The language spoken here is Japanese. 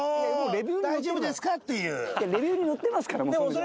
レビューに載ってますからもう。